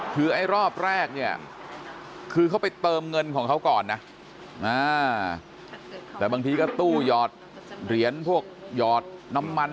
คือไอ้รอบแรกเนี่ยคือเขาไปเติมเงินของเขาก่อนนะแต่บางทีก็ตู้หยอดเหรียญพวกหยอดน้ำมัน